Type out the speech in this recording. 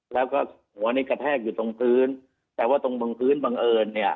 แล้วก็หัวนี่กระแทกอยู่ตรงพื้นแต่ว่าตรงบางพื้นบังเอิญเนี่ย